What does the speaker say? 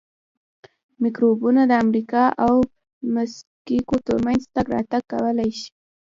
میکروبونه د امریکا او مکسیکو ترمنځ تګ راتګ کولای شي.